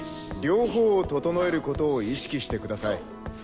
両方を整えることを意識してください。